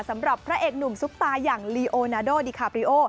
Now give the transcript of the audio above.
สำหรับพระเอกหนุ่มซุปตาอย่างลีโอนาโดดิคาปริโอ